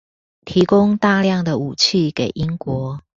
提供大量的武器給英國